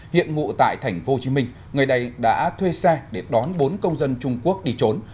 hiện ngụ tại tp hcm ngày đây đã thuê xe để đón bốn công dân trung quốc đi trốn